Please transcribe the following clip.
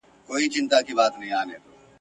چي اوزګړی په کوهي کي را نسکور سو !.